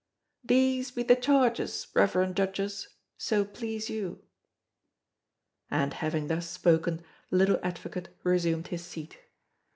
"These be the charges, reverend Judges, so please you!" And having thus spoken, the little advocate resumed his seat.